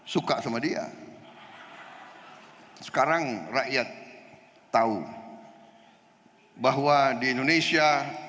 suka sama dia sekarang rakyat tahu bahwa di indonesia